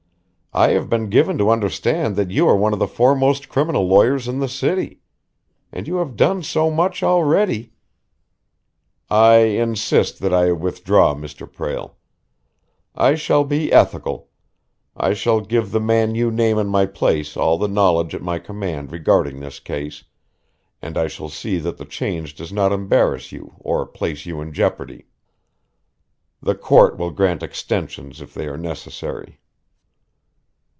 "I have been given to understand that you are one of the foremost criminal lawyers in the city. And you have done so much already " "I insist that I withdraw, Mr. Prale. I shall be ethical. I shall give the man you name in my place all the knowledge at my command regarding this case, and I shall see that the change does not embarrass you or place you in jeopardy. The court will grant extensions if they are necessary."